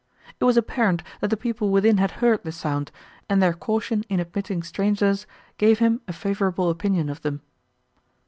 It was apparent, that the people within had heard the sound, and their caution in admitting strangers gave him a favourable opinion of them.